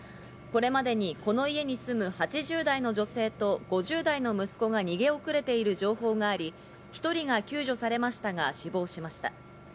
これまでにこの家に住む８０代の女性と５０代の息子が逃げ遅れている情報があり、１人が救助されましたが、死亡しました。